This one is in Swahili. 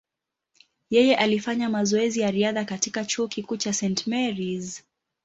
Yeye alifanya mazoezi ya riadha katika chuo kikuu cha St. Mary’s.